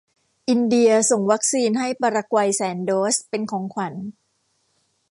อินเดียส่งวัคซีนให้ปารากวัยแสนโดสเป็นของขวัญ